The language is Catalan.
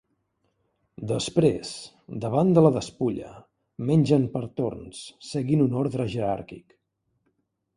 Després, davant de la despulla, mengen per torns, seguint un ordre jeràrquic.